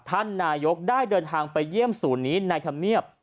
ท่านนายกได้เดินทางไปเยี่ยมศูนย์นี้ในธรรมเนียบ